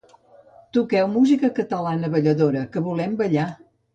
Toqueu música catalana balladora, que volem ballar!